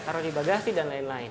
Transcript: taruh di bagasi dan lain lain